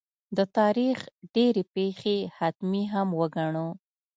د تاریخ ډېرې پېښې حتمي هم وګڼو.